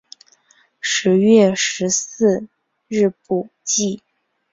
十月十四日补记。